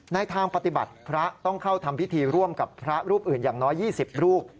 ทางปฏิบัติพระต้องเข้าทำพิธีร่วมกับพระรูปอื่นอย่างน้อย๒๐รูป